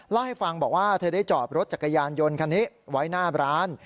เล่าให้ฟังบอกว่าเธอได้จอดรถจักรยานยนต์คันนี้ไว้หน้าร้าน